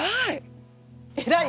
偉い！